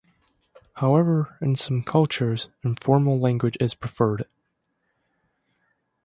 However, in some cultures, informal language is preferred.